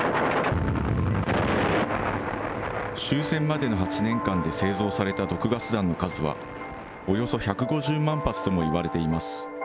終戦までの８年間で製造された毒ガス弾の数は、およそ１５０万発ともいわれています。